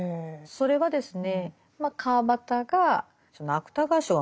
それはですね